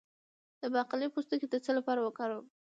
د باقلي پوستکی د څه لپاره وکاروم؟